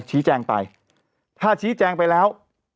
ชี้แจงไปถ้าชี้แจงไปแล้ว